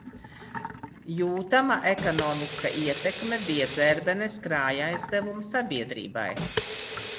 Jūtama ekonomiska ietekme bija Dzērbenes krājaizdevu sabiedrībai.